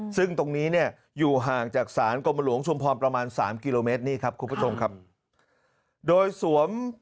ซึ่งตรงนี้เนี่ยอยู่ห่างจากศาลกรมหลวงชุมพรประมาณสามกิโลเมตรนี่ครับคุณผู้ชมครับโดยสวม